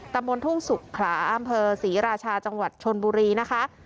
ตำบลทุ่งสุขลาอำเภอศรีราชาจังหวัดชนบุรีนะคะ